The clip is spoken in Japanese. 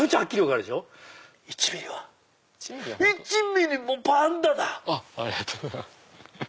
ありがとうございます。